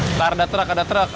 setelah ada truk ada truk